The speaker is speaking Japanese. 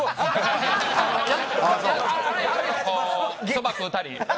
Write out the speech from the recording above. そば食うたり。